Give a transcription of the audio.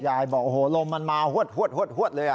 ยายบอกโอ้โหลมมันมาหวดเลยอ่ะ